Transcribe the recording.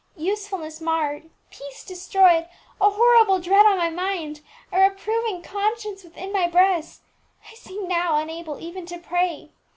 Usefulness marred, peace destroyed, a horrible dread on my mind, a reproving conscience within my breast, I seem now unable even to pray!